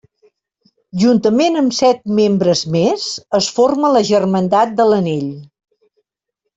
Juntament amb set membres més, es forma la Germandat de l'Anell.